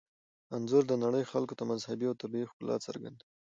انځور د نړۍ خلکو ته مذهبي او طبیعي ښکلا څرګندوي.